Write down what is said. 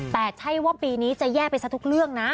แต่ใช่ว่าปีนี้จะแย่ไปซะทุกเรื่องนะ